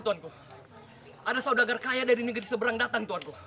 tuhanku ada saudagar kaya dari negeri seberang datang tuhanku